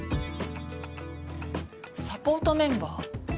サポートメンバー？